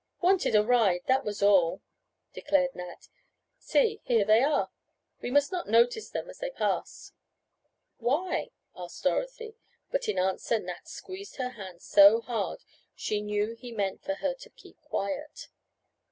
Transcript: "Wanted a ride, that was all," declared Nat. "See, here they are. We must not notice them as they pass!" "Why?" asked Dorothy. But in answer Nat squeezed her hand so hard she knew he meant for her to keep quiet.